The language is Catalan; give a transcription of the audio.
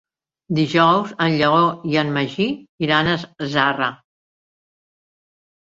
Dijous en Lleó i en Magí iran a Zarra.